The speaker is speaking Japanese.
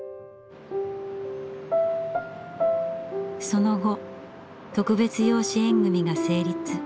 その後特別養子縁組が成立。